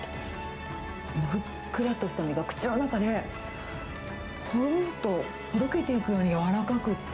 ふっくらとした身が口の中で、ほろっとほどけていくように柔らかくって。